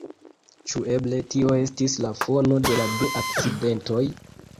Ĉu eble tio estis la fono de la du akcidentoj?